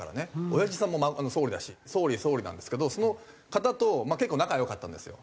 おやじさんも総理だし総理総理なんですけどその方とまあ結構仲良かったんですよ。